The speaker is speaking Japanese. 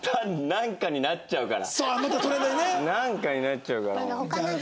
なんかになっちゃうから。